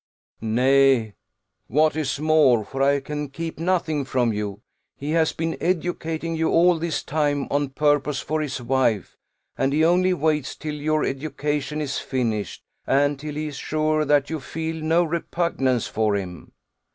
"Nay, what is more for I can keep nothing from you he has been educating you all this time on purpose for his wife, and he only waits till your education is finished, and till he is sure that you feel no repugnance for him."